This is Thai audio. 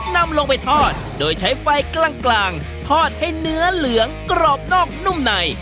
นำลงไปทอดโดยใช้ไฟกลางทอดให้เนื้อเหลืองกรอบนอกนุ่มใน